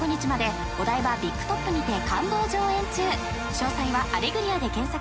［詳細はアレグリアで検索。